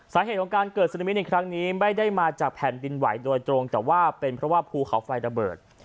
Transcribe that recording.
สาเหตุของการเกิดซึนามิในครั้งนี้ไม่ได้มาจากแผ่นดินไหวโดยตรงแต่ว่าเป็นเพราะว่าภูเขาไฟระเบิด